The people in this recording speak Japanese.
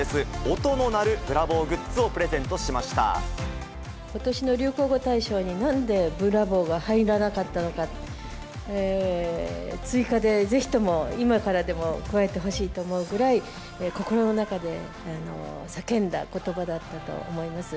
音の鳴るブラことしの流行語大賞に、なんでブラボーが入らなかったのかと、追加でぜひとも今からでも加えてほしいと思うぐらい、心の中で叫んだことばだったと思います。